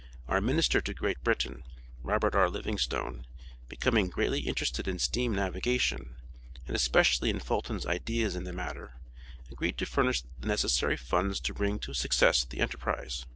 Our Minister to Great Britain, Robert R. Livingstone, becoming greatly interested in steam navigation, and especially in Fulton's ideas in the matter, agreed to furnish the necessary funds to bring to success the enterprise.